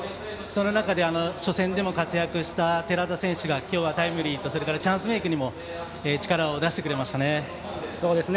その中で、初戦でも活躍した寺田選手がきょうはタイムリーとそれからチャンスメークにも力を出してくれましたね。